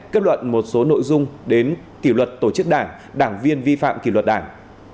kết luận một số nội dung đến kỷ luật tổ chức đảng đảng viên vi phạm kỷ luật đảng